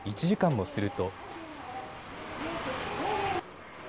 １時間もすると。